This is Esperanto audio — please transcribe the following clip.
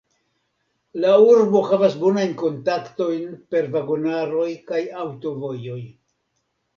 La urbo havas bonajn kontaktojn per vagonaroj kaj aŭtovojoj.